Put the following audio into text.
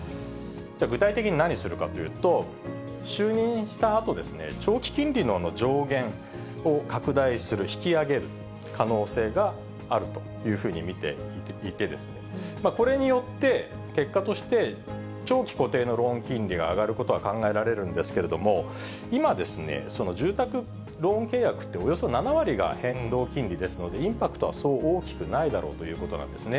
具体的に何するかというと、就任したあと、長期金利の上限を拡大する、引き上げる可能性があるというふうに見ていて、これによって、結果として、長期固定のローン金利が上がることは考えられるんですけれども、今、その住宅ローン契約っておよそ７割が変動金利ですので、インパクトはそう大きくないだろうということなんですね。